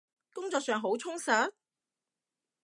工作上好充實？